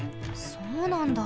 そうなんだ。